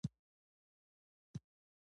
بالاخره مې له لاسه ورکړ.